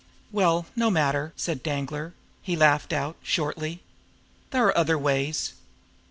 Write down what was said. "Well, no matter!" said Danglar. He laughed out shortly. "There are other ways!